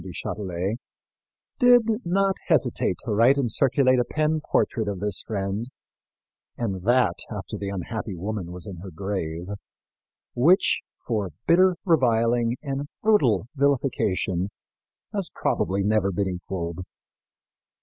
du Châtelet, did not hesitate to write and circulate a pen portrait of this friend and that after the unhappy woman was in her grave which for bitter reviling and brutal villification has probably never been equalled.